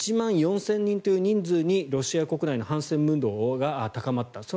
１万４０００人という人数にロシア国内の反戦ムードが高まった。